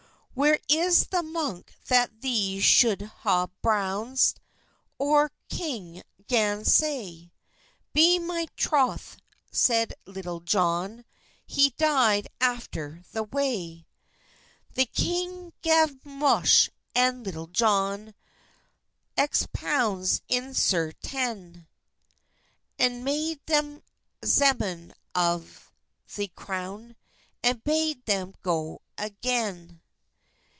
"Wher is the munke that these shuld haue browzt?" Oure kynge gan say; "Be my trouthe," seid Litull Jone, "He dyed aftur the way." The kyng gaf Moche and Litul Jon xx pound in sertan, And made theim zemen of the crowne, And bade theim go agayn.